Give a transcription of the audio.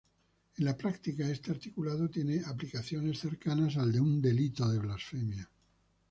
En la práctica, este articulado tiene aplicaciones cercanas al de un delito de blasfemia.